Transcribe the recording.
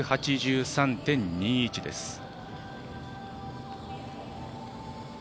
２８３．２１です。